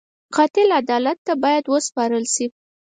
قاتل عدالت ته باید وسپارل شي